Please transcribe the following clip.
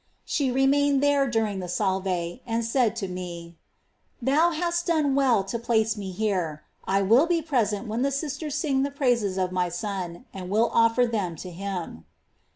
She remained there during the Salve, and said to me :" Thou hast done well to place me here ; I will be present when the sisters sing the praises of my Son, and will offer them to Him."